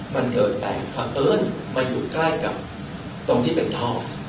มันเกิดแต่บังเอิ้นมาอยู่ใกล้กับตรงที่เป็นท่อ